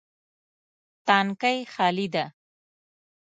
تانکی خالي ده